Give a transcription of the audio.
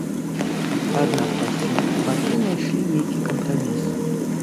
Аднак пасля бакі найшлі нейкі кампраміс.